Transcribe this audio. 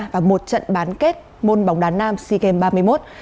và một trận bán kết môn bóng đá nam sea games ba mươi một